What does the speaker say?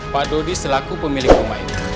pak dodi selaku pemilik rumah itu